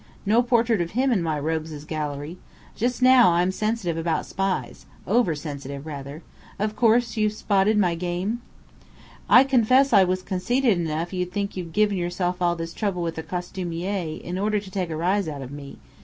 "No portrait of him in my rogues' gallery. Just now, I'm sensitive about spies over sensitive rather. Of course, you've spotted my game?" "I confess I was conceited enough to think you'd given yourself all this trouble with the costumier in order to take a rise out of me.